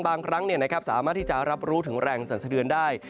บางครั้งสามารถที่จะรับรู้ถึงแรงสรรสะเทือนได้